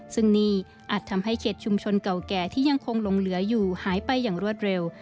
ซึ่งนี่อาจทำให้เขตชุมชนเก่าแก่ที่ยังคงหลงเหลืออยู่หายไปอย่างรวดเร็ว